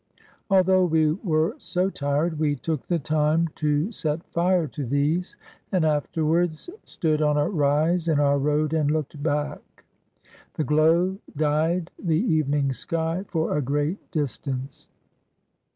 Although we were so tired, we took the time to set fire to these, and afterwards stood on a rise in our road and looked back. The glow dyed the evening sky for a great distance.